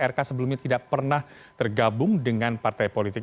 rk sebelumnya tidak pernah tergabung dengan partai politik